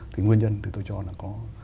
thì nguyên nhân thì tôi cho là có